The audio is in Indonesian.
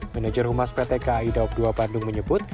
manager humas pt kai dawab dua bandung menyebut